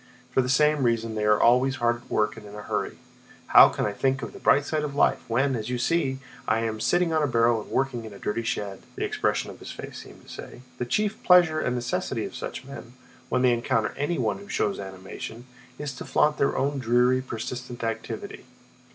For the same reason they are always hard at work and in a hurry. "How can I think of the bright side of life when, as you see, I am sitting on a barrel and working in a dirty shed?" the expression of his face seemed to say. The chief pleasure and necessity of such men, when they encounter anyone who shows animation, is to flaunt their own dreary, persistent activity.